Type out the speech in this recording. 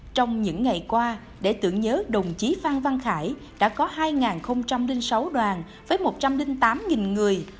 trong những ngày qua để tưởng nhớ đồng chí phan văn khải đã có hai sáu đoàn với một trăm linh tám người